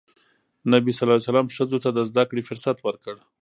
نبي ﷺ ښځو ته د زدهکړې فرصت ورکړ.